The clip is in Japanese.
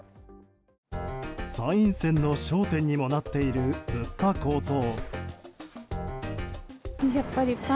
参院選の焦点にもなっている物価高騰。